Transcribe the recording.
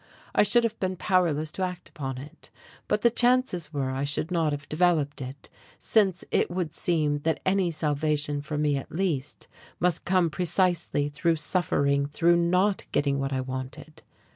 I should have been powerless to act upon it. But the chances were I should not have developed it, since it would seem that any salvation for me at least must come precisely through suffering, through not getting what I wanted.